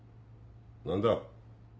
何だ？